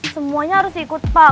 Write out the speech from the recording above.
semuanya harus ikut pak